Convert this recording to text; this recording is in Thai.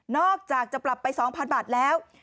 อกจากจะปรับไป๒๐๐๐บาทแล้ว